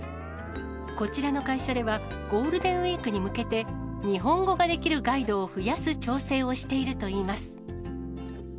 こちらの会社では、ゴールデンウィークに向けて、日本語ができるガイドを増やす調整をしているといいます。